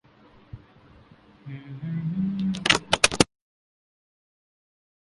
The erasure of Palestinian geography is considered part of the Palestinian Nakba.